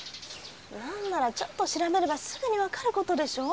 何ならちょっと調べればすぐに分かることでしょう？